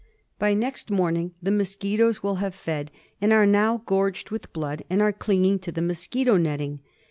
By next morning the mosquitoes will have fed, and are now gorged with blood and are clinging to the mosquito netting.